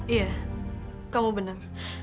iya kamu benar